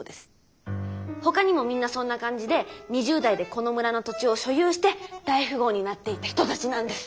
他にもみんなそんな感じで２０代でこの村の土地を「所有」して大富豪になっていった人たちなんです。